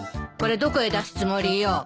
これどこへ出すつもりよ。